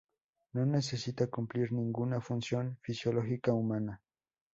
No necesita cumplir ninguna función fisiológica humana.